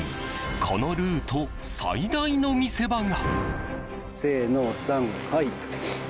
このルート最大の見せ場が。